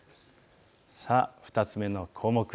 ２つ目の項目。